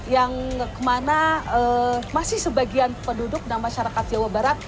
yang kemana masih sebagian penduduk dan masyarakat jawa barat